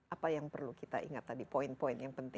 apa yang perlu kita ingat tadi poin poin yang penting